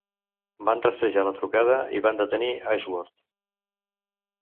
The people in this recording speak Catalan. Van rastrejar la trucada i van detenir Ashworth.